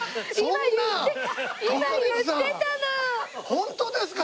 ホントですか？